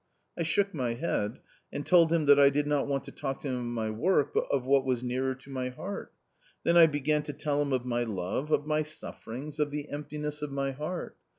I shook my head, and told him that I did not want to talk to him of my work but of what was nearer to my heart. Then I began to tell him of my love, of my sufferings, of the emptiness of my heart.